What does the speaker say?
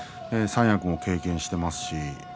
三役も経験しています。